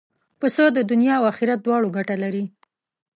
پسه د دنیا او آخرت دواړو ګټه لري.